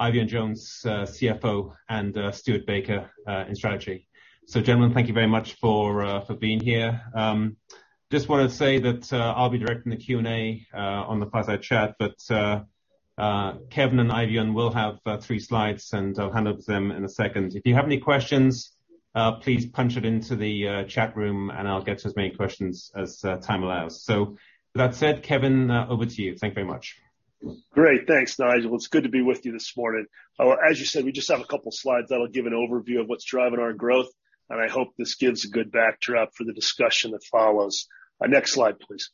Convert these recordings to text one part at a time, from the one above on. Eifion Jones, CFO, and Stuart Baker in strategy. Gentlemen, thank you very much for being here. Just wanna say that I'll be directing the Q&A on the fireside chat, but Kevin and Eifion will have three slides, and I'll hand over to them in a second. If you have any questions, please put it into the chat room, and I'll get to as many questions as time allows. With that said, Kevin, over to you. Thank you very much. Great. Thanks, Nigel. It's good to be with you this morning. As you said, we just have a couple slides that'll give an overview of what's driving our growth, and I hope this gives a good backdrop for the discussion that follows. Next slide, please.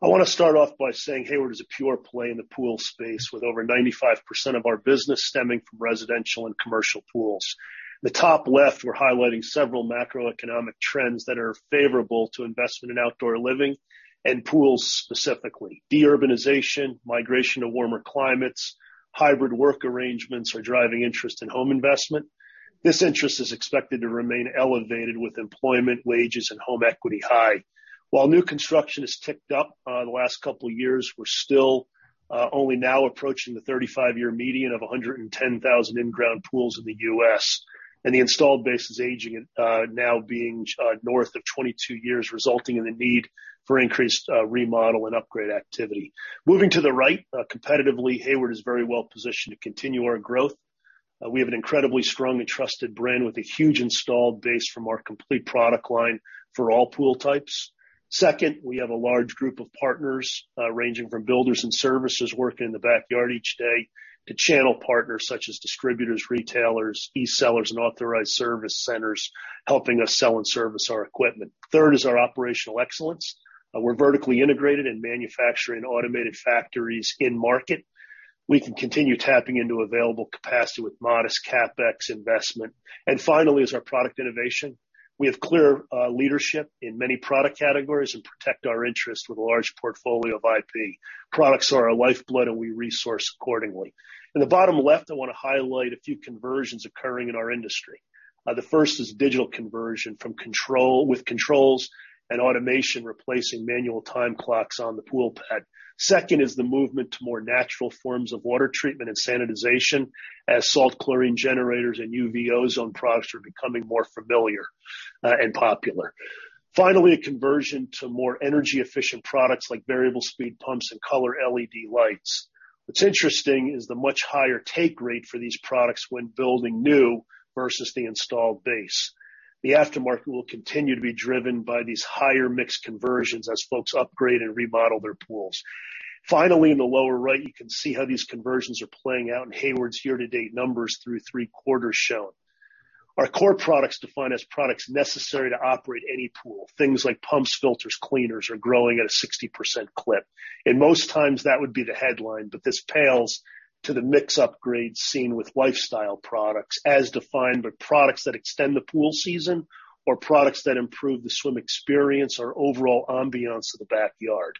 I wanna start off by saying Hayward is a pure play in the pool space with over 95% of our business stemming from residential and commercial pools. The top left, we're highlighting several macroeconomic trends that are favorable to investment in outdoor living and pools specifically. De-urbanization, migration to warmer climates, hybrid work arrangements are driving interest in home investment. This interest is expected to remain elevated with employment, wages, and home equity high. While new construction has ticked up the last couple years, we're still only now approaching the 35-year median of 110,000 in-ground pools in the U.S. The installed base is aging, now being north of 22 years, resulting in the need for increased remodel and upgrade activity. Moving to the right, competitively, Hayward is very well positioned to continue our growth. We have an incredibly strong and trusted brand with a huge installed base from our complete product line for all pool types. Second, we have a large group of partners, ranging from builders and services working in the backyard each day to channel partners such as distributors, retailers, e-sellers, and authorized service centers, helping us sell and service our equipment. Third is our operational excellence. We're vertically integrated in manufacturing automated factories in market. We can continue tapping into available capacity with modest CapEx investment. Finally is our product innovation. We have clear leadership in many product categories and protect our interests with a large portfolio of IP. Products are our lifeblood, and we resource accordingly. In the bottom left, I wanna highlight a few conversions occurring in our industry. The first is digital conversion with controls and automation replacing manual time clocks on the pool pad. Second is the movement to more natural forms of water treatment and sanitization as salt chlorine generators and UV ozone products are becoming more familiar and popular. Finally, a conversion to more energy-efficient products like variable speed pumps and color LED lights. What's interesting is the much higher take rate for these products when building new versus the installed base. The aftermarket will continue to be driven by these higher mixed conversions as folks upgrade and remodel their pools. Finally, in the lower right, you can see how these conversions are playing out in Hayward's year-to-date numbers through three quarters shown. Our core products defined as products necessary to operate any pool, things like pumps, filters, cleaners, are growing at a 60% clip. In most times, that would be the headline, but this pales to the mix upgrades seen with lifestyle products as defined by products that extend the pool season or products that improve the swim experience or overall ambiance of the backyard.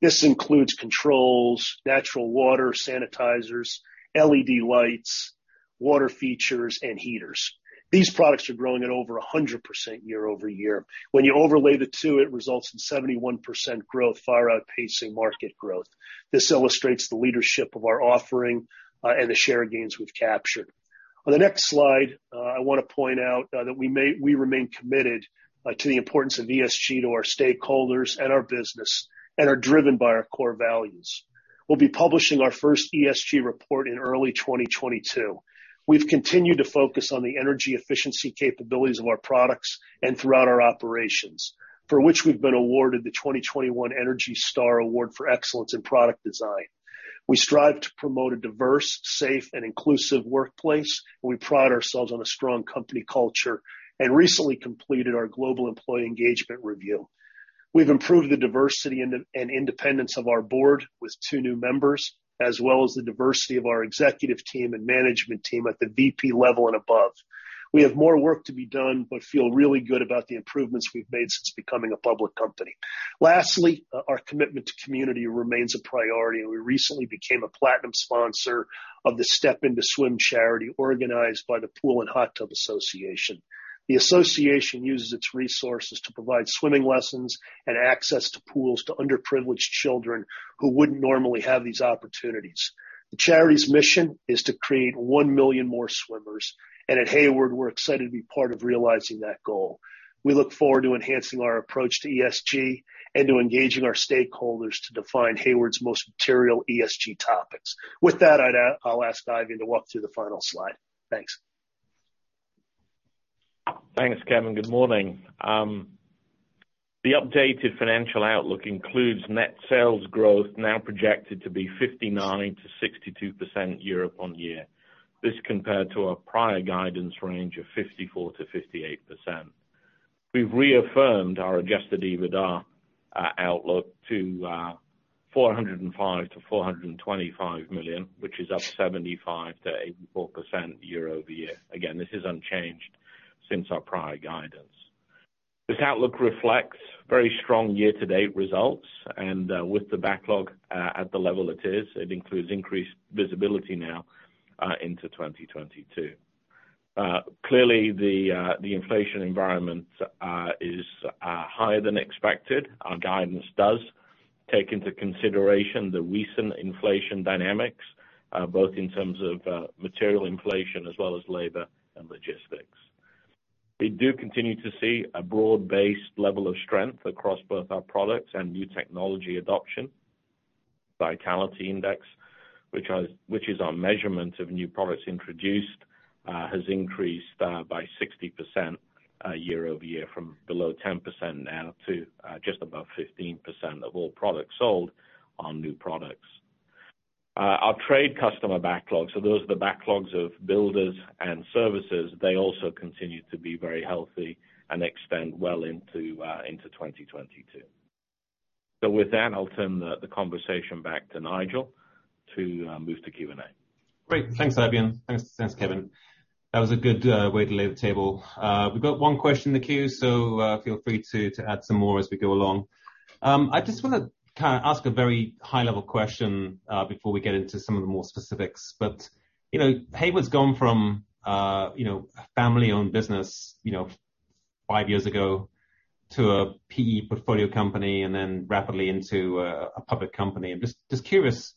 This includes controls, natural water sanitizers, LED lights, water features, and heaters. These products are growing at over 100% year-over-year. When you overlay the two, it results in 71% growth, far outpacing market growth. This illustrates the leadership of our offering and the share gains we've captured. On the next slide, I wanna point out that we remain committed to the importance of ESG to our stakeholders and our business and are driven by our core values. We'll be publishing our first ESG report in early 2022. We've continued to focus on the energy efficiency capabilities of our products and throughout our operations, for which we've been awarded the 2021 ENERGY STAR Award for Excellence in Product Design. We strive to promote a diverse, safe, and inclusive workplace, and we pride ourselves on a strong company culture and we recently completed our global employee engagement review. We've improved the diversity and independence of our board with two new members, as well as the diversity of our executive team and management team at the VP level and above. We have more work to be done but feel really good about the improvements we've made since becoming a public company. Lastly, our commitment to community remains a priority, and we recently became a platinum sponsor of the Step Into Swim charity organized by the Pool & Hot Tub Alliance. The association uses its resources to provide swimming lessons and access to pools to underprivileged children who wouldn't normally have these opportunities. The charity's mission is to create 1 million more swimmers, and at Hayward, we're excited to be part of realizing that goal. We look forward to enhancing our approach to ESG and to engaging our stakeholders to define Hayward's most material ESG topics. With that, I'll ask Eifion to walk through the final slide. Thanks. Thanks, Kevin. Good morning. The updated financial outlook includes net sales growth now projected to be 59%-62% year-over-year. This, compared to our prior guidance range of 54%-58%. We've reaffirmed our adjusted EBITDA outlook to $405 million-$425 million, which is up 75%-84% year-over-year. Again, this is unchanged since our prior guidance. This outlook reflects very strong year-to-date results, and with the backlog at the level it is, it includes increased visibility now into 2022. Clearly the inflation environment is higher than expected. Our guidance does take into consideration the recent inflation dynamics, both in terms of material inflation as well as labor and logistics. We do continue to see a broad-based level of strength across both our products and new technology adoption. Vitality Index, which is our measurement of new products introduced, has increased by 60% year-over-year from below 10% now to just above 15% of all products sold are new products. Our trade customer backlogs, so those are the backlogs of builders and services, they also continue to be very healthy and extend well into 2022. With that, I'll turn the conversation back to Nigel to move to Q&A. Great. Thanks, Eifion. Thanks, Kevin. That was a good way to lay the table. We've got one question in the queue, so feel free to add some more as we go along. I just wanna ask a very high level question before we get into some of the more specifics. You know, Hayward's gone from a family-owned business five years ago to a PE portfolio company and then rapidly into a public company. I'm just curious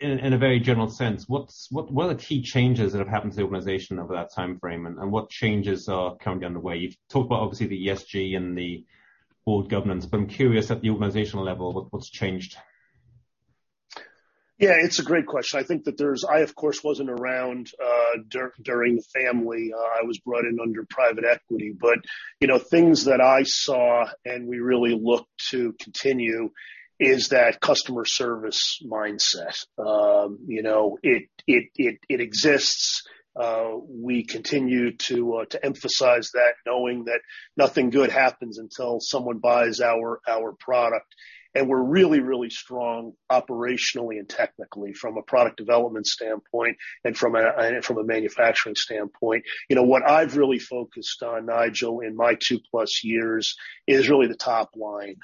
in a very general sense, what are the key changes that have happened to the organization over that timeframe? And what changes are coming down the way? You've talked about obviously the ESG and the board governance, but I'm curious at the organizational level, what's changed? Yeah, it's a great question. I think I of course wasn't around during the family. I was brought in under private equity. You know, things that I saw and we really look to continue is that customer service mindset. You know, it exists. We continue to emphasize that knowing that nothing good happens until someone buys our product. We're really strong operationally and technically from a product development standpoint and from a manufacturing standpoint. You know, what I've really focused on, Nigel, in my 2+ years is really the top line,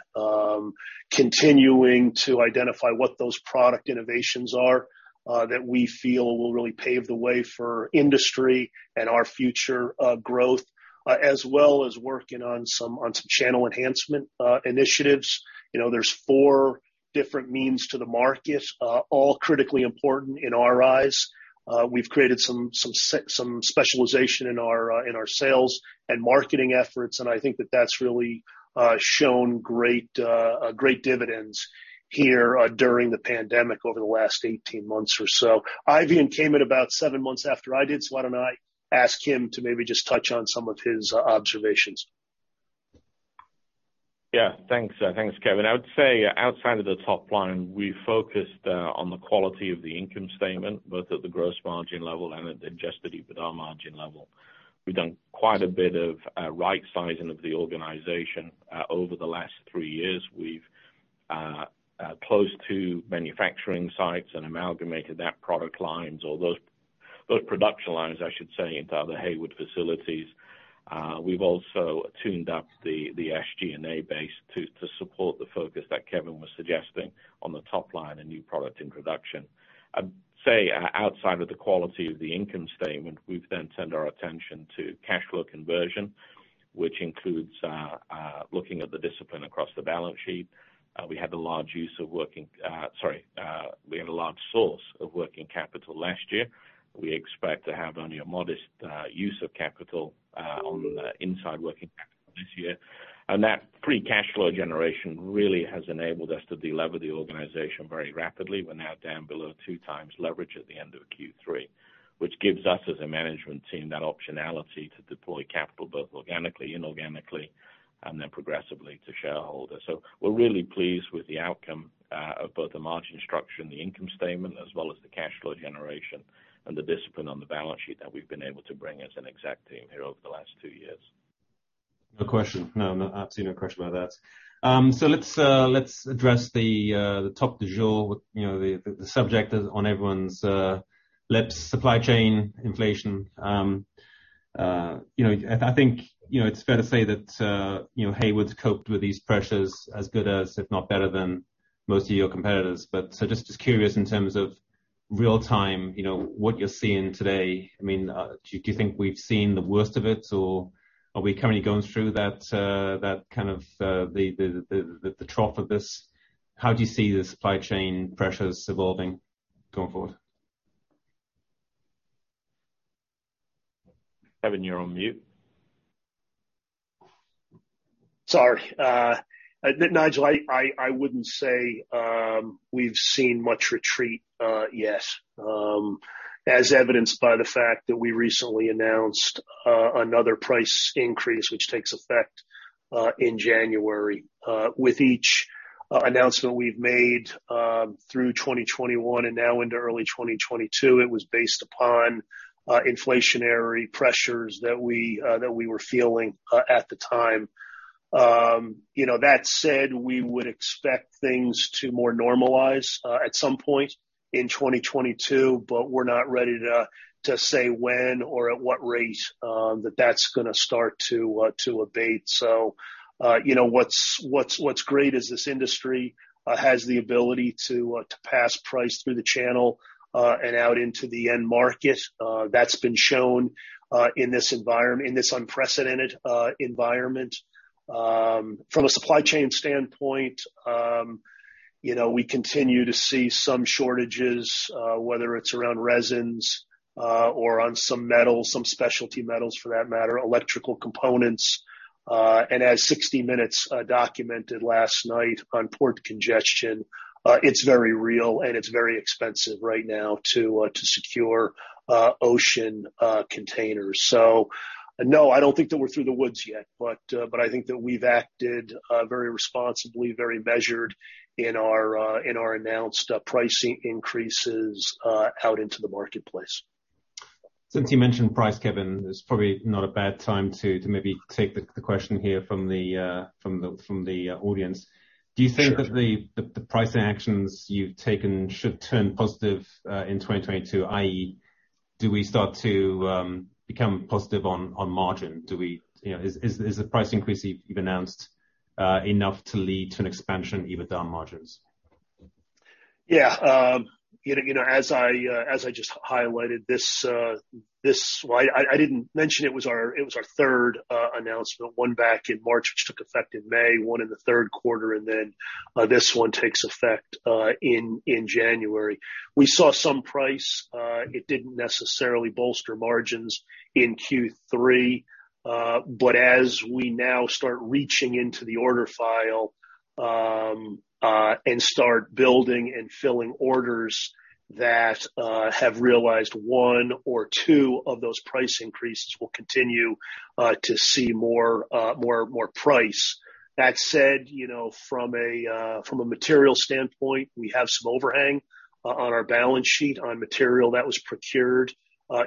continuing to identify what those product innovations are that we feel will really pave the way for industry and our future growth as well as working on some channel enhancement initiatives. You know, there's four different means to the market, all critically important in our eyes. We've created some specialization in our sales and marketing efforts, and I think that that's really great dividends here during the pandemic over the last 18 months or so. Eifion came in about seven months after I did, so why don't I ask him to maybe just touch on some of his observations. Yeah, thanks. Thanks, Kevin. I would say outside of the top line, we focused on the quality of the income statement, both at the gross margin level and at the adjusted EBITDA margin level. We've done quite a bit of right-sizing of the organization over the last three years. We've closed two manufacturing sites and amalgamated that product lines or those production lines, I should say, into other Hayward facilities. We've also tuned up the SG&A base to support the focus that Kevin was suggesting on the top line and new product introduction. I'd say outside of the quality of the income statement, we've then turned our attention to cash flow conversion, which includes looking at the discipline across the balance sheet. We had a large use of working. Sorry, we had a large source of working capital last year. We expect to have only a modest use of capital on the inside working capital this year. That free cash flow generation really has enabled us to delever the organization very rapidly. We're now down below 2x leverage at the end of Q3, which gives us as a management team that optionality to deploy capital both organically and inorganically, and then progressively to shareholders. We're really pleased with the outcome of both the margin structure and the income statement, as well as the cash flow generation and the discipline on the balance sheet that we've been able to bring as an exec team here over the last two years. No question. I've seen no question about that. So let's address the topic du jour, you know, the subject on everyone's lips, supply chain inflation. You know, I think, you know, it's fair to say that, you know, Hayward's coped with these pressures as good as, if not better than most of your competitors. Just curious in terms of real-time, you know, what you're seeing today, I mean, do you think we've seen the worst of it, or are we currently going through that kind of trough of this? How do you see the supply chain pressures evolving going forward? Kevin, you're on mute. Sorry. Nigel, I wouldn't say we've seen much retreat yet, as evidenced by the fact that we recently announced another price increase, which takes effect in January. With each announcement we've made through 2021 and now into early 2022, it was based upon inflationary pressures that we were feeling at the time. You know, that said, we would expect things to more normalize at some point in 2022, but we're not ready to say when or at what rate that that's gonna start to abate. You know, what's great is this industry has the ability to pass price through the channel and out into the end market. That's been shown in this unprecedented environment. From a supply chain standpoint, you know, we continue to see some shortages, whether it's around resins, or on some metals, some specialty metals for that matter, electrical components, and as 60 Minutes documented last night on port congestion, it's very real and it's very expensive right now to secure ocean containers. No, I don't think that we're through the woods yet, but I think that we've acted very responsibly, very measured in our announced pricing increases out into the marketplace. Since you mentioned price, Kevin, it's probably not a bad time to maybe take the question here from the audience. Sure. Do you think that the price actions you've taken should turn positive in 2022, i.e., do we start to become positive on margin? You know, is the price increase you've announced enough to lead to an expansion even down margins? Yeah. You know, as I just highlighted this, I didn't mention it was our third announcement, one back in March, which took effect in May, one in the third quarter, and then this one takes effect in January. We saw some price; it didn't necessarily bolster margins in Q3, but as we now start reaching into the order file and start building and filling orders that have realized one or two of those price increases, we'll continue to see more price. That said, you know, from a material standpoint, we have some overhang on our balance sheet on material that was procured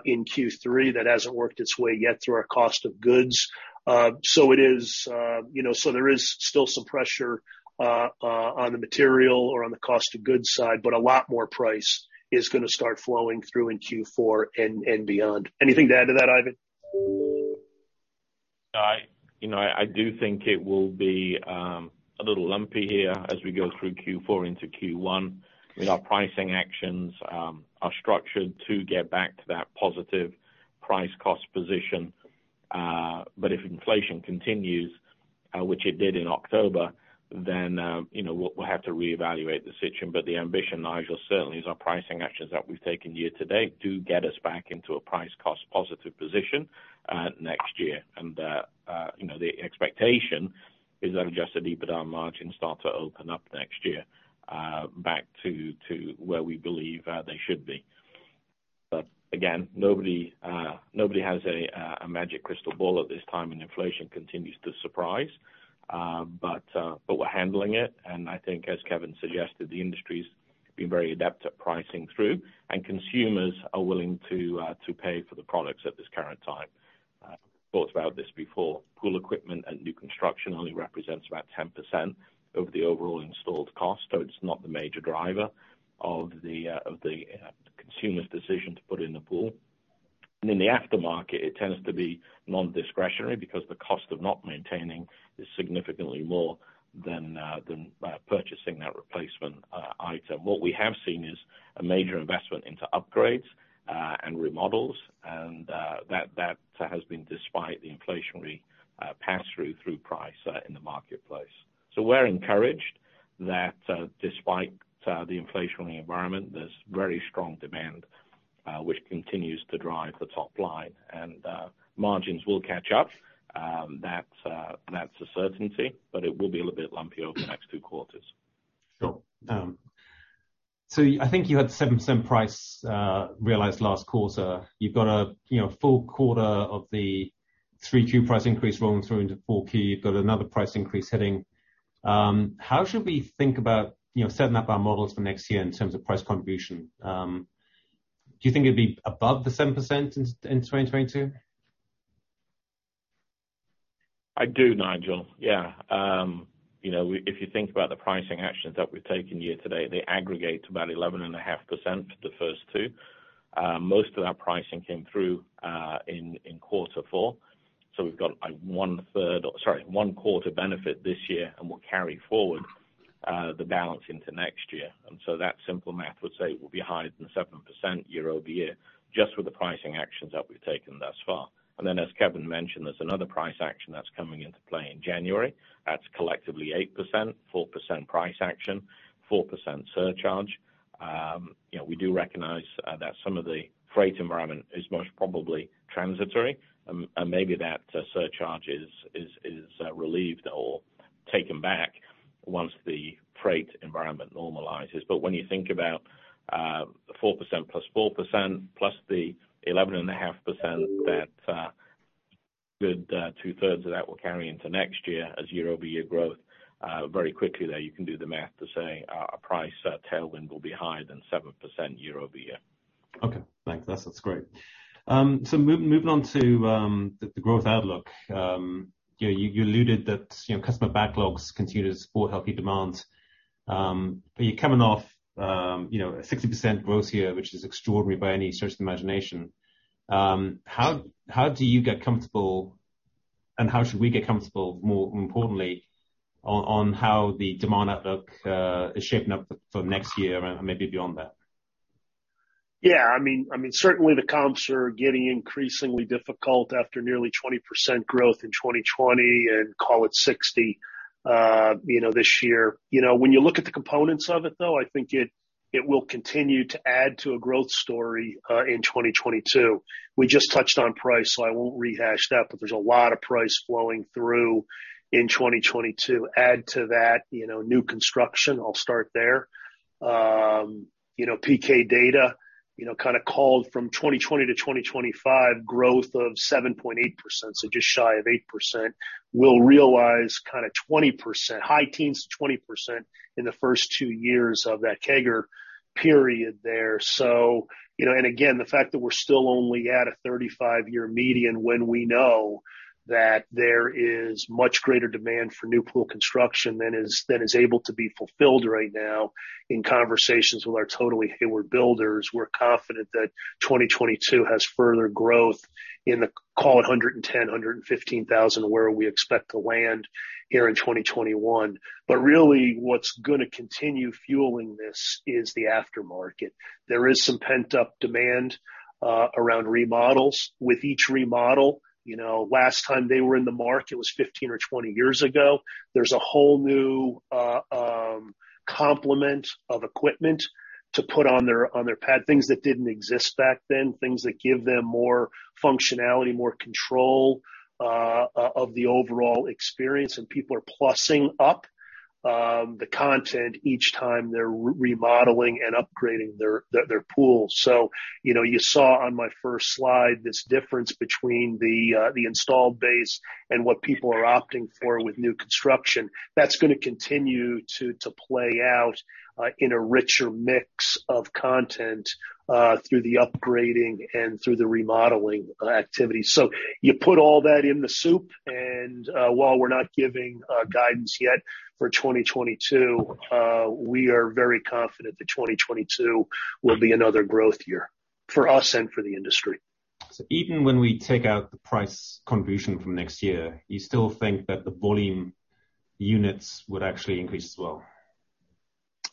in Q3 that hasn't worked its way yet through our cost of goods. You know, there is still some pressure on the material or on the cost of goods side, but a lot more price is gonna start flowing through in Q4 and beyond. Anything to add to that, Eifion? You know, I do think it will be a little lumpy here as we go through Q4 into Q1 with our pricing actions are structured to get back to that positive price cost position. If inflation continues, which it did in October, then you know, we'll have to reevaluate the situation. The ambition, Nigel, certainly is our pricing actions that we've taken year to date do get us back into a price cost positive position next year. You know, the expectation is that adjusted EBITDA margins start to open up next year back to where we believe they should be. Again, nobody has a magic crystal ball at this time, and inflation continues to surprise. We're handling it, and I think as Kevin suggested, the industry's been very adept at pricing through, and consumers are willing to pay for the products at this current time. I thought about this before. Pool equipment and new construction only represents about 10% of the overall installed cost, so it's not the major driver of the consumer's decision to put in a pool. In the aftermarket, it tends to be non-discretionary because the cost of not maintaining is significantly more than purchasing that replacement item. What we have seen is a major investment into upgrades and remodels, and that has been despite the inflationary pass through price in the marketplace. We're encouraged that, despite the inflationary environment, there's very strong demand, which continues to drive the top line. Margins will catch up. That's a certainty, but it will be a little bit lumpier over the next two quarters. Sure. I think you had 7% price realized last quarter. You've got a, you know, full quarter of the 3Q price increase rolling through into 4Q, you've got another price increase hitting. How should we think about, you know, setting up our models for next year in terms of price contribution? Do you think it'd be above the 7% in 2022? I do, Nigel. Yeah. You know, if you think about the pricing actions that we've taken year to date, they aggregate to about 11.5%, the first two. Most of our pricing came through in quarter four. We've got like 1/3, or sorry, 1/4 benefit this year, and we'll carry forward the balance into next year. That simple math would say it will be higher than 7% year-over-year, just with the pricing actions that we've taken thus far. As Kevin mentioned, there's another price action that's coming into play in January. That's collectively 8%, 4% price action, 4% surcharge. You know, we do recognize that some of the freight environment is most probably transitory, and maybe that surcharge is relieved or taken back once the freight environment normalizes. When you think about 4% + 4% + 11.5% that 2/3 of that will carry into next year as year-over-year growth, very quickly there, you can do the math to say a price tailwind will be higher than 7% year-over-year. Okay. Thanks. That's great. Moving on to the growth outlook. You know, you alluded that, you know, customer backlogs continue to support healthy demand. You're coming off, you know, 60% growth here, which is extraordinary by any stretch of the imagination. How do you get comfortable, and how should we get comfortable, more importantly, on how the demand outlook is shaping up for next year and maybe beyond that? Yeah. I mean, certainly the comps are getting increasingly difficult after nearly 20% growth in 2020 and call it 60%, you know, this year. You know, when you look at the components of it, though, I think it will continue to add to a growth story in 2022. We just touched on price, so I won't rehash that, but there's a lot of price flowing through in 2022. Add to that, you know, new construction. I'll start there. You know, P.K. Data, you know, kind of called from 2020 to 2025 growth of 7.8%, so just shy of 8%. We'll realize kind of 20%, high teens to 20% in the first two years of that CAGR period there. You know, and again, the fact that we're still only at a 35-year median when we know that there is much greater demand for new pool construction than is able to be fulfilled right now in conversations with our Totally Hayward builders. We're confident that 2022 has further growth in the call it 110,000-115,000 where we expect to land here in 2021. Really what's gonna continue fueling this is the aftermarket. There is some pent-up demand around remodels. With each remodel, you know, last time they were in the market was 15 or 20 years ago. There's a whole new complement of equipment to put on their pad, things that didn't exist back then, things that give them more functionality, more control of the overall experience, and people are plussing up the content each time they're remodeling and upgrading their pools. You know, you saw on my first slide this difference between the installed base and what people are opting for with new construction. That's gonna continue to play out in a richer mix of content through the upgrading and through the remodeling activities. You put all that in the soup, and while we're not giving guidance yet for 2022, we are very confident that 2022 will be another growth year for us and for the industry. Even when we take out the price contribution from next year, you still think that the volume units would actually increase as well?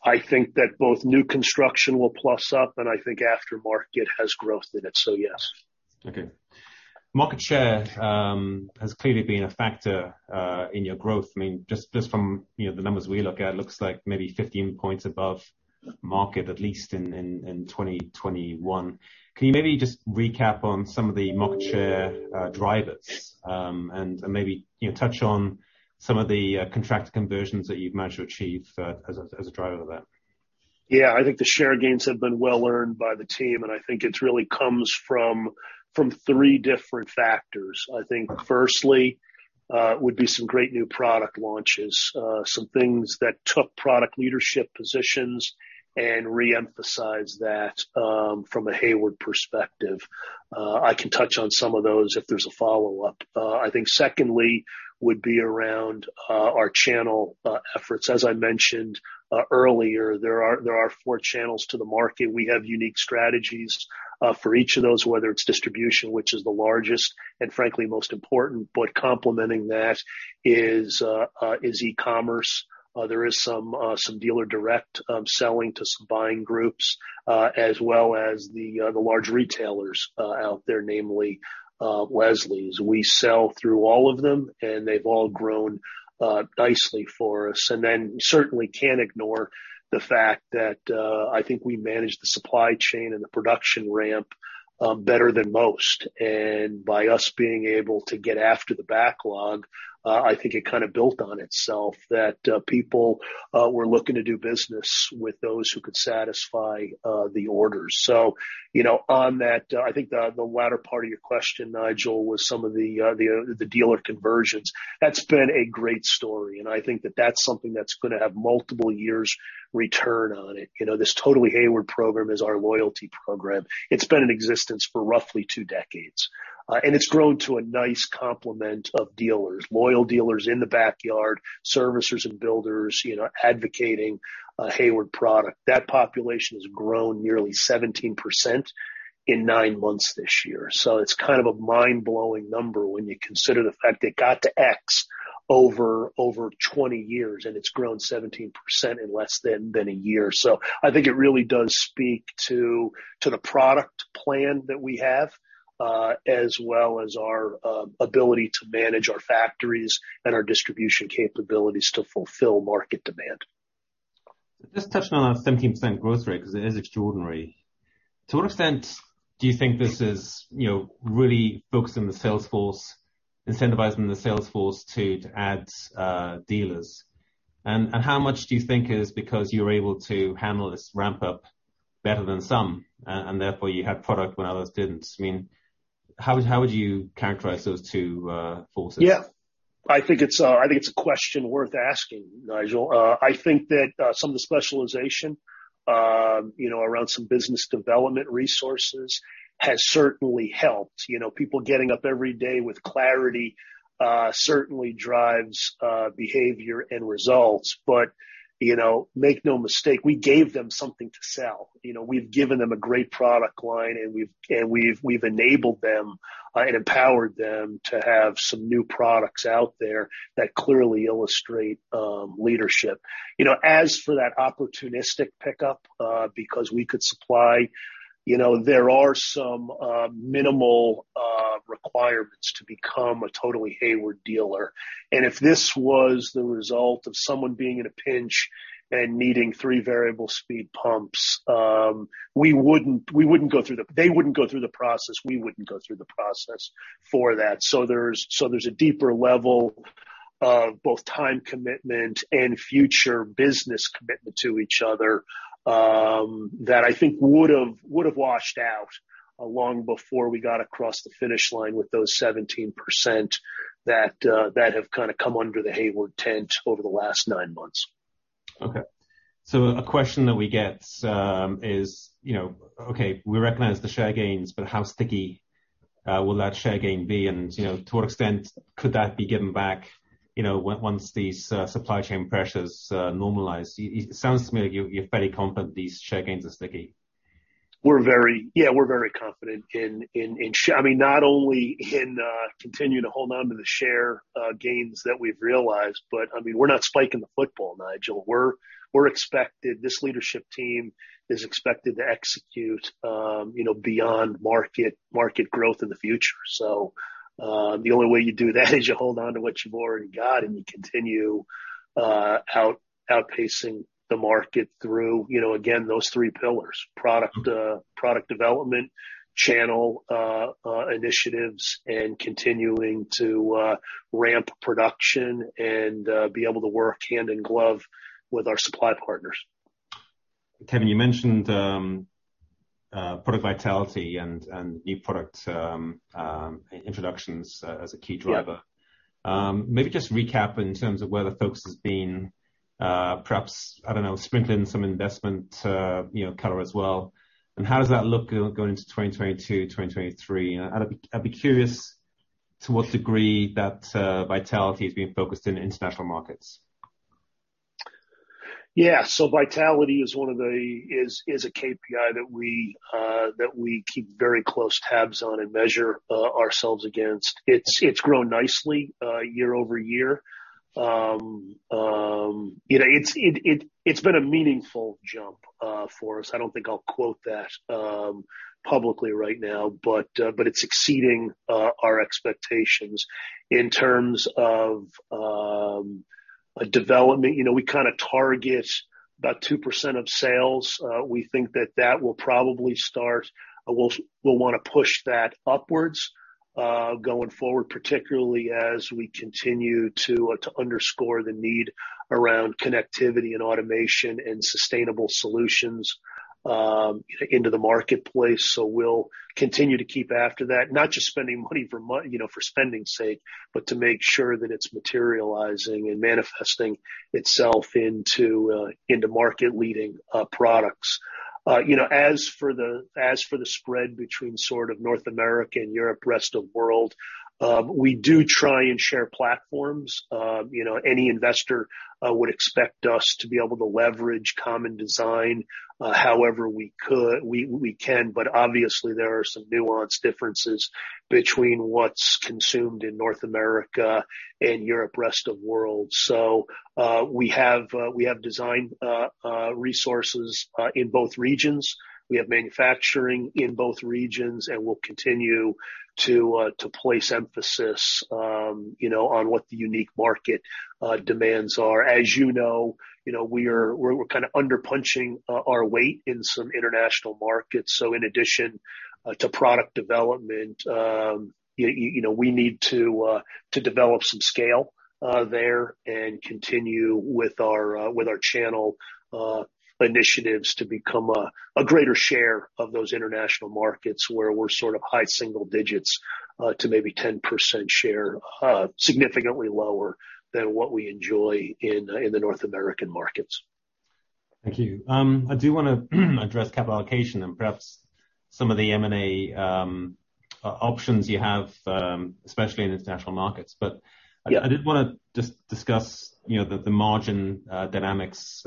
I think that both new construction will plus up, and I think aftermarket has growth in it. Yes. Okay. Market share has clearly been a factor in your growth. I mean, just from, you know, the numbers we look at, it looks like maybe 15 points above market, at least in 2021. Can you maybe just recap on some of the market share drivers, and maybe, you know, touch on some of the contract conversions that you've managed to achieve, as a driver of that? Yeah. I think the share gains have been well-earned by the team, and I think it really comes from three different factors. I think firstly would be some great new product launches, some things that took product leadership positions and re-emphasized that from a Hayward perspective. I can touch on some of those if there's a follow-up. I think secondly would be around our channel efforts. As I mentioned earlier, there are four channels to the market. We have unique strategies for each of those, whether it's distribution, which is the largest and frankly most important. Complementing that is e-commerce. There is some dealer direct selling to some buying groups as well as the large retailers out there, namely Leslie's. We sell through all of them, and they've all grown nicely for us. Certainly can't ignore the fact that I think we manage the supply chain and the production ramp better than most. By us being able to get after the backlog, I think it kind of built on itself that people were looking to do business with those who could satisfy the orders. You know, on that I think the latter part of your question, Nigel, was some of the dealer conversions. That's been a great story, and I think that's something that's gonna have multiple years return on it. You know, this Totally Hayward program is our loyalty program. It's been in existence for roughly two decades, and it's grown to a nice complement of dealers, loyal dealers in the backyard, servicers and builders, you know, advocating a Hayward product. That population has grown nearly 17% in nine months this year. It's kind of a mind-blowing number when you consider the fact it got to X over 20 years, and it's grown 17% in less than a year. I think it really does speak to the product plan that we have, as well as our ability to manage our factories and our distribution capabilities to fulfill market demand. Just touching on that 17% growth rate, 'cause it is extraordinary. To what extent do you think this is, you know, really focusing the sales force, incentivizing the sales force to add dealers? And how much do you think is because you're able to handle this ramp-up better than some, and therefore you had product when others didn't? I mean, how would you characterize those two forces? Yeah. I think it's a question worth asking, Nigel. I think that some of the specialization, you know, around some business development resources has certainly helped. You know, people getting up every day with clarity certainly drives behavior and results. You know, make no mistake, we gave them something to sell. You know, we've given them a great product line, and we've enabled them and empowered them to have some new products out there that clearly illustrate leadership. You know, as for that opportunistic pickup because we could supply, you know, there are some minimal requirements to become a Totally Hayward dealer. If this was the result of someone being in a pinch and needing three variable speed pumps, we wouldn't go through the, they wouldn't go through the process, we wouldn't go through the process for that. There's a deeper level of both time commitment and future business commitment to each other, that I think would've washed out long before we got across the finish line with those 17% that have kind of come under the Hayward tent over the last nine months. Okay. A question that we get, you know, okay, we recognize the share gains, but how sticky will that share gain be? You know, to what extent could that be given back, you know, once these supply chain pressures normalize? It sounds to me like you're fairly confident these share gains are sticky. We're very confident in continuing to hold on to the share gains that we've realized, but I mean, we're not spiking the football, Nigel. This leadership team is expected to execute beyond market growth in the future. The only way you do that is you hold on to what you've already got, and you continue outpacing the market through, again, those three pillars, product development, channel initiatives, and continuing to ramp production and be able to work hand in glove with our supply partners. Kevin, you mentioned product vitality and new product introductions as a key driver. Maybe just recap in terms of where the focus has been, perhaps, I don't know, sprinkling some investment, you know, color as well. How does that look going into 2022, 2023? I'd be curious to what degree that vitality is being focused in international markets. Yeah. Vitality is a KPI that we keep very close tabs on and measure ourselves against. It's grown nicely year-over-year. You know, it's been a meaningful jump for us. I don't think I'll quote that publicly right now, but it's exceeding our expectations. In terms of a development, you know, we kind of target about 2% of sales. We think that will probably start. We'll wanna push that upwards going forward, particularly as we continue to underscore the need around connectivity and automation and sustainable solutions into the marketplace. We'll continue to keep after that, not just spending money, you know, for spending's sake, but to make sure that it's materializing and manifesting itself into market-leading products. You know, as for the spread between sort of North America and Europe, rest of world, we do try and share platforms. You know, any investor would expect us to be able to leverage common design, however we could. We can, but obviously there are some nuanced differences between what's consumed in North America and Europe, rest of world. We have design resources in both regions. We have manufacturing in both regions, and we'll continue to place emphasis, you know, on what the unique market demands are. As you know, we're kind of underpunching our weight in some international markets. In addition to product development, you know, we need to develop some scale there and continue with our channel initiatives to become a greater share of those international markets where we're sort of high single digits to maybe 10% share, significantly lower than what we enjoy in the North American markets. Thank you. I do wanna address capital allocation and perhaps some of the M&A options you have, especially in international markets. But, I did wanna just discuss, you know, the margin dynamics,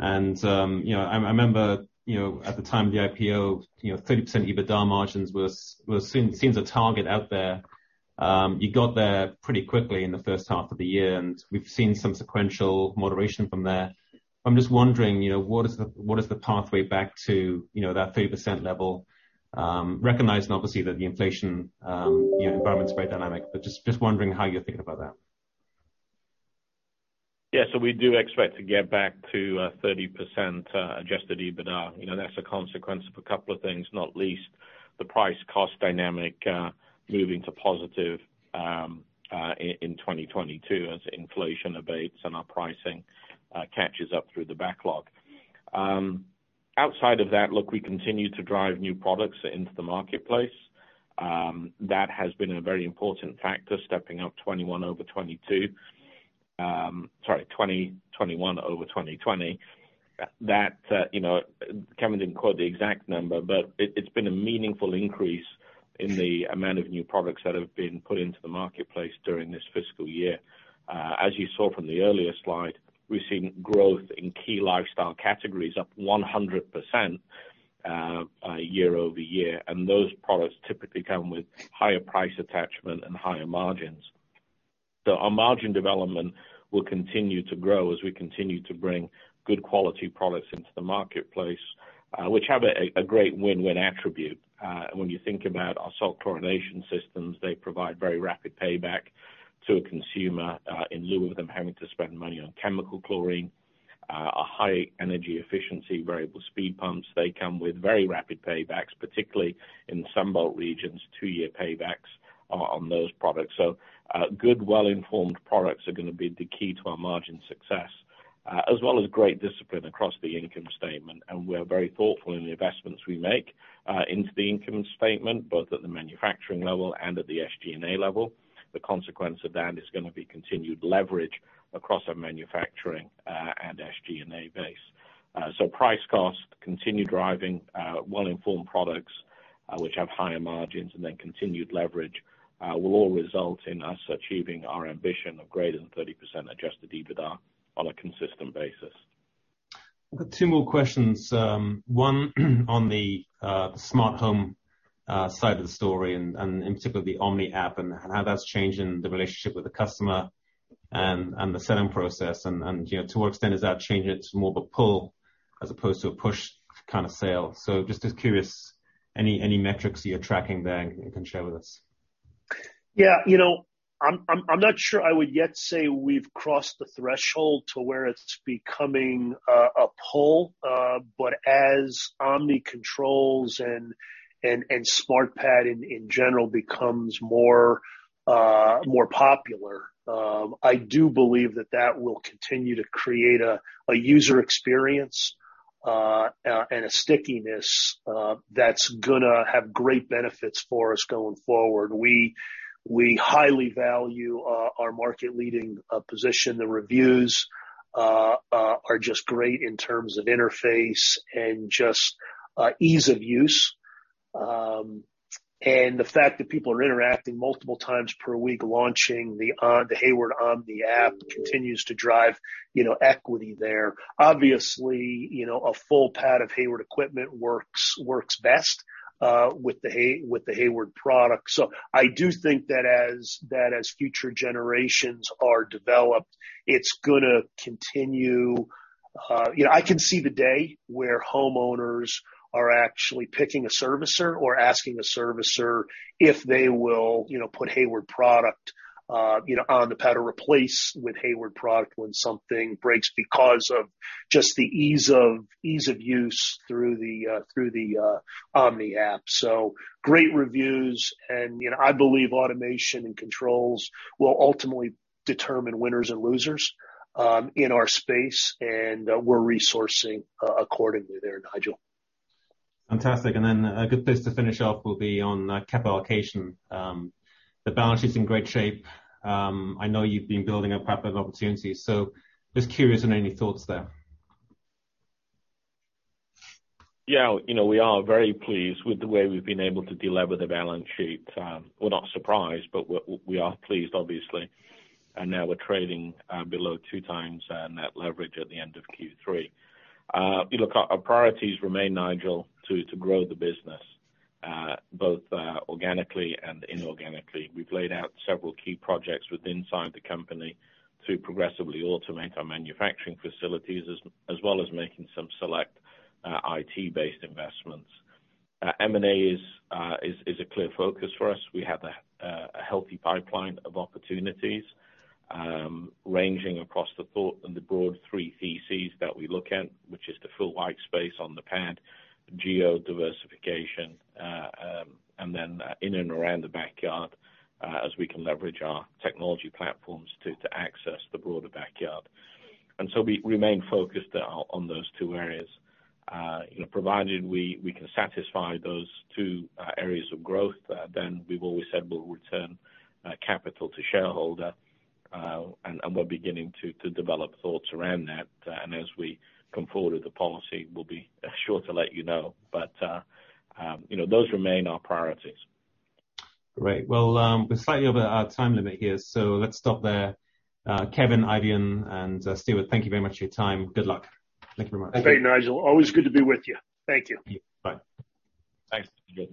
Eifion. I remember, you know, at the time of the IPO, you know, 30% EBITDA margins was seen as a target out there. You got there pretty quickly in the first half of the year, and we've seen some sequential moderation from there. I'm just wondering, you know, what is the pathway back to, you know, that 30% level, recognizing obviously that the inflation, you know, environment's very dynamic, but just wondering how you're thinking about that. Yeah. We do expect to get back to 30% adjusted EBITDA. You know, that's a consequence of a couple of things, not least the price cost dynamic moving to positive in 2022 as inflation abates and our pricing catches up through the backlog. Outside of that, look, we continue to drive new products into the marketplace. That has been a very important factor, stepping up 2021 over 2022. Sorry, 2021 over 2020. That, you know, Kevin didn't quote the exact number, but it's been a meaningful increase in the amount of new products that have been put into the marketplace during this fiscal year. As you saw from the earlier slide, we've seen growth in key lifestyle categories up 100%, year-over-year, and those products typically come with higher price attachment and higher margins. Our margin development will continue to grow as we continue to bring good quality products into the marketplace, which have a great win-win attribute. When you think about our salt chlorination systems, they provide very rapid payback to a consumer, in lieu of them having to spend money on chemical chlorine. A high energy efficiency variable speed pumps. They come with very rapid paybacks, particularly in some cold regions, two-year paybacks on those products. Good well-informed products are gonna be the key to our margin success, as well as great discipline across the income statement. We're very thoughtful in the investments we make into the income statement, both at the manufacturing level and at the SG&A level. The consequence of that is gonna be continued leverage across our manufacturing and SG&A base. Price-cost continues driving well-informed products, which have higher margins and then continued leverage will all result in us achieving our ambition of greater than 30% adjusted EBITDA on a consistent basis. I've got two more questions. One on the smart home side of the story and particularly the Omni app and how that's changing the relationship with the customer and the selling process and, you know, to what extent is that changing it to more of a pull as opposed to a push kind of sale. Just as curious, any metrics you're tracking there you can share with us? Yeah. You know, I'm not sure I would yet say we've crossed the threshold to where it's becoming a pull. But as Omni controls and SmartPad in general becomes more popular, I do believe that that will continue to create a user experience and a stickiness that's gonna have great benefits for us going forward. We highly value our market leading position. The reviews are just great in terms of interface and just ease of use. And the fact that people are interacting multiple times per week, launching the Hayward Omni app continues to drive equity there. Obviously, you know, a full SmartPad of Hayward equipment works best with the Hayward product. I do think that as future generations are developed, it's gonna continue. You know, I can see the day where homeowners are actually picking a servicer or asking a servicer if they will put Hayward product on the pad or replace with Hayward product when something breaks because of just the ease of use through the Omni app. Great reviews and, you know, I believe automation and controls will ultimately determine winners and losers in our space, and we're resourcing accordingly there, Nigel. Fantastic. A good place to finish off will be on capital allocation. The balance sheet's in great shape. I know you've been building up capital opportunities, so just curious on any thoughts there. Yeah. You know, we are very pleased with the way we've been able to deliver the balance sheet. We're not surprised, but we are pleased obviously. Now we're trading below 2x net leverage at the end of Q3. Look, our priorities remain, Nigel, to grow the business both organically and inorganically. We've laid out several key projects within the company to progressively automate our manufacturing facilities as well as making some select IT-based investments. M&A is a clear focus for us. We have a healthy pipeline of opportunities, ranging across the thought and the broad three theses that we look at, which is the fill white space on the pad, geo diversification, and then in and around the backyard, as we can leverage our technology platforms to access the broader backyard. We remain focused on those two areas. You know, provided we can satisfy those two areas of growth, then we've always said we'll return capital to shareholder. We're beginning to develop thoughts around that. As we come forward with the policy, we'll be sure to let you know. You know, those remain our priorities. Great. Well, we're slightly over our time limit here, so let's stop there. Kevin, Eifion, and Stuart, thank you very much for your time. Good luck. Thank you very much. Okay, Nigel. Always good to be with you. Thank you. Bye. Thanks. Bye-bye.